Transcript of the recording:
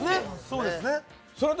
そうですね